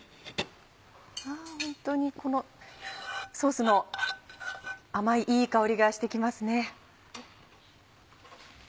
本当にこのソースの甘いいい香りがしてきますね。